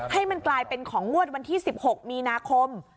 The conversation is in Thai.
ให้มันกลายเป็นของงวดวันที่๑๖มีนาคม